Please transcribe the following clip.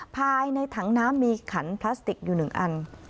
ภายในถังน้ำมีขันพลาสติกอยู่๑อัน